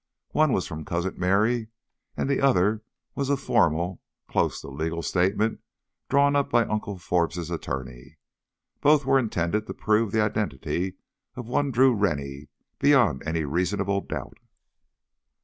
One was from Cousin Merry, and the other was a formal, close to legal statement drawn up by Uncle Forbes' attorney. Both were intended to prove the identity of one Drew Rennie beyond any reasonable doubt.